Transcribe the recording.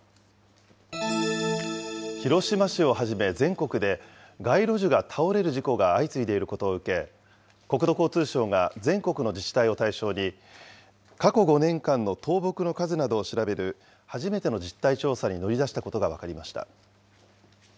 広島市をはじめ、全国で街路樹が倒れる事故が相次いでいることを受け、国土交通省が全国の自治体を対象に、過去５年間の倒木の数などを調べる初めての実態調査に乗り出したことが分かりました。